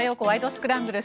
スクランブル」。